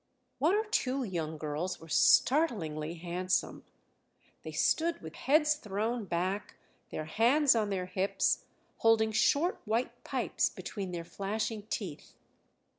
One or two young girls were startlingly handsome; they stood with heads thrown back, their hands on their hips, holding short white pipes between their flashing teeth.